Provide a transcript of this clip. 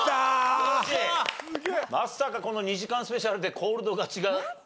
まさかこの２時間スペシャルでコールド勝ちが出てくるとは。